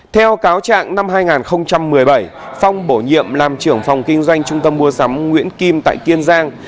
theo cáo trạng năm hai nghìn một mươi bảy phong bổ nhiệm làm trưởng phòng kinh doanh trung tâm mua sắm nguyễn kim tại kiên giang